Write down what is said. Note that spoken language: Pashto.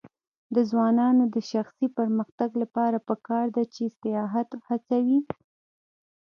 د ځوانانو د شخصي پرمختګ لپاره پکار ده چې سیاحت هڅوي.